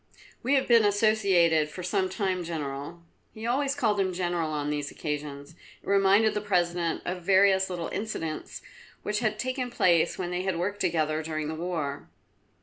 "We have been associated for some time, General." He always called him General on these occasions, it reminded the President of various little incidents which had taken place when they had worked together during the war.